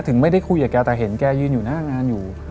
ถึงไม่ได้คุยกับแกแต่เห็นแกยืนอยู่หน้างานอยู่